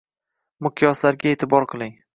Miqyoslarga e’tibor qiling.